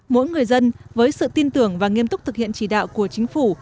mỗi người dân với sự tin tưởng và nghiêm túc thực hiện chỉ đạo của chính phủ